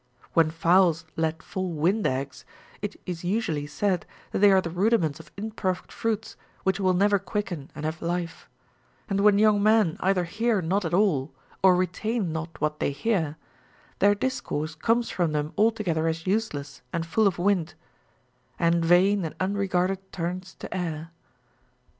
When fowls let fall wind eggs, it is usually said that they are the rudiments of im perfect fruits which will never quicken and have life ; and when young men either hear not at all or retain not whiit they hear, their discourse comes from them altogether as useless and full of wind, And vain and unregarded turns to air.